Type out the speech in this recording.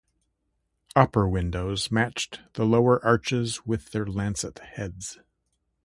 Upper windows matched the lower arches with their lancet heads.